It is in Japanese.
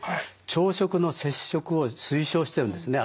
朝食の摂食を推奨してるんですね。